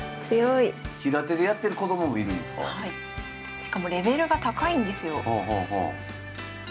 しかもレベルが高いんですよ。